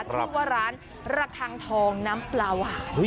ชื่อว่าร้านระคังทองน้ำปลาหวาน